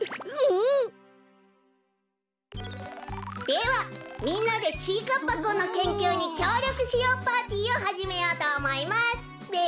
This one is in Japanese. では「みんなでちぃかっぱくんのけんきゅうにきょうりょくしよう！パーティー」をはじめようとおもいますべ。